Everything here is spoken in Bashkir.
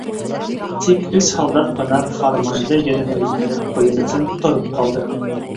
Тик өс һалдат ҡына фарманды еренә еткереп ҡуйыр өсөн тороп ҡалды.